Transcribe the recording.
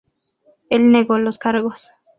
Él negó los cargos.